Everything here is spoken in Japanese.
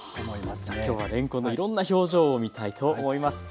はあじゃあ今日はれんこんのいろんな表情を見たいと思います。